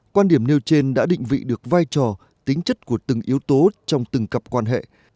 quan điểm nêu trên đã định vị được vai trò tính chất của từng yếu tố trong từng cặp quan hệ